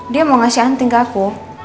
dia mau ngasih unting ke aku